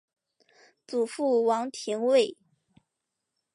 祖父王庭槐。